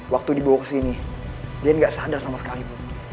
waktu dibawa ke sini deyan gak sadar sama sekali put